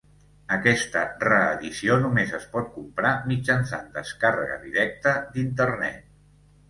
Aquesta reedició només es pot comprar mitjançant descàrrega directa d'Internet.